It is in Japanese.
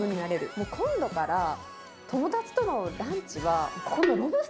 もう今度から、友達とのランチは、